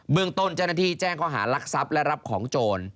เบื้องตนเจ้าหน้าที่แจ้งเขาหารักษัพและรับของโจร